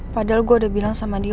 padahal gue udah bilang sama dia